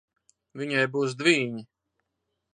Viņai būs dvīņi.